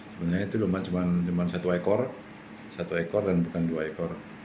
sebenarnya itu cuma satu ekor satu ekor dan bukan dua ekor